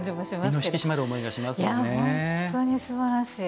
本当にすばらしい。